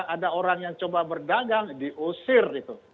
ada orang yang coba berdagang diusir itu